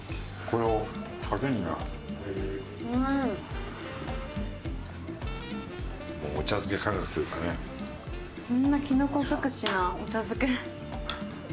こんなきのこ尽くしなお茶漬け。